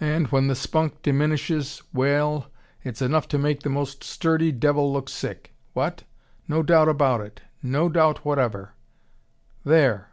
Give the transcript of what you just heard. And when the spunk diminishes we ell it's enough to make the most sturdy devil look sick. What? No doubt about it, no doubt whatever There